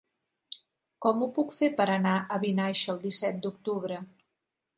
Com ho puc fer per anar a Vinaixa el disset d'octubre?